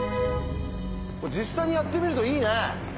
実際にやってみるといいね。